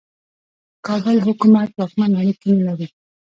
د کابل حکومت واکمن اړیکې نه لري.